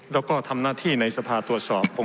และทำหน้าที่ในสภาทัวร์ตัวสอบ